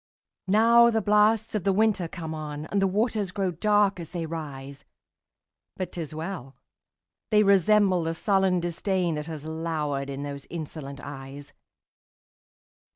Now the blasts of the winter come on, And the waters grow dark as they rise! But 't is well!—they resemble the sullen disdainThat has lowered in those insolent eyes.